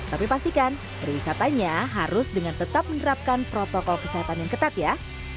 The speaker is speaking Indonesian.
tapi pastikan perwisatanya harus dengan tetap menerapkan protokol kesehatan yang ketat ya